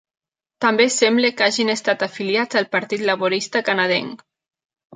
També sembla que hagin estat afiliats al partit laborista canadenc.